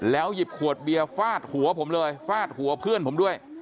หยิบขวดเบียร์ฟาดหัวผมเลยฟาดหัวเพื่อนผมด้วย